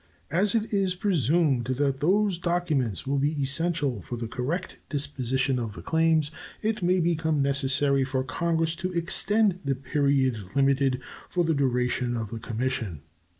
As it is presumed that those documents will be essential for the correct disposition of the claims, it may become necessary for Congress to extend the period limited for the duration of the commission.